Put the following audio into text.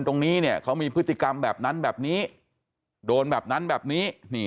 ตรงนี้เนี่ยเขามีพฤติกรรมแบบนั้นแบบนี้โดนแบบนั้นแบบนี้